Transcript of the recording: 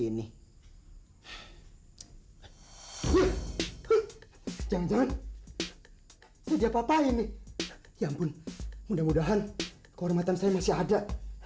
ini jangan jangan jadi apa apa ini ya ampun mudah mudahan kehormatan saya masih ada